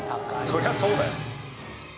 そりゃそうだよ。